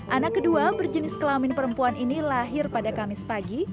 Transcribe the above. anak kedua berjenis kelamin perempuan ini lahir pada kamis pagi